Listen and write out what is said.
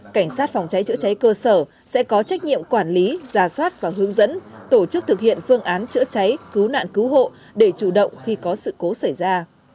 cảnh sát phòng cháy chữa cháy cơ sở sẽ có trách nhiệm quản lý giả soát và hướng dẫn tổ chức thực hiện phương án chữa cháy cứu nạn cứu hộ để chủ động khi có sự cố xảy ra